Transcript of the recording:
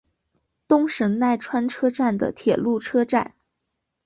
东神奈川车站的铁路车站。